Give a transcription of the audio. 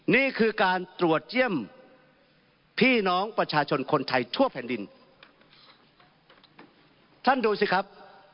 นี่คือการตรวจเยี่ยมพี่น้องประชาชนคนไทยทั่วแผ่นดินท่านดูสิครับ